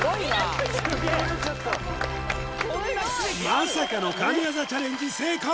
まさかの神業チャレンジ成功！